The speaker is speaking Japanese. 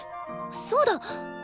そうだ！